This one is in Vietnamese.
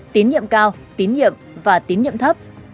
tín nhiệm cao tín nhiệm và tín nhiệm thấp